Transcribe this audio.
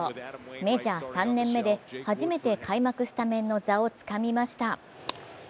メジャー３年目で初めて開幕スタメンの座をつかみました。